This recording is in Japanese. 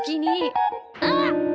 あっ！